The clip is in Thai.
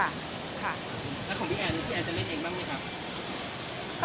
แล้วของพี่แอ้นพี่แอ้นจะเล่นเองบ้างมั้ยครับ